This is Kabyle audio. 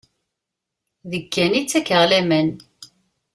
Deg-k kan i ttakeɣ laman.